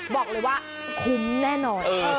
บอกเลยว่าคุ้มแน่นอน